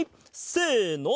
せの！